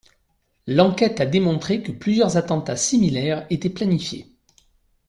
L'enquête a démontré que plusieurs attentats similaires étaient planifiés.